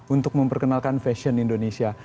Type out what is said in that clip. untuk memperkenalkan fashion indonesia